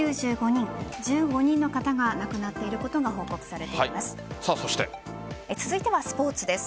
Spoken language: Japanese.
１５人の方が亡くなっていることが報告されています。